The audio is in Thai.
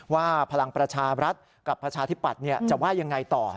พลังประชารัฐกับประชาธิปัตย์จะว่ายังไงต่อ